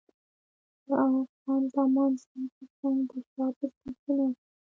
زه او خان زمان څنګ پر څنګ د شا په سیټ کې ناست وو.